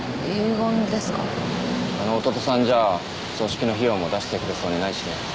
あの弟さんじゃあお葬式の費用も出してくれそうにないしね。